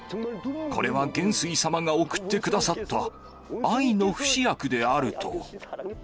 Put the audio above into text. これは元帥様が送ってくださった愛の不死薬であると。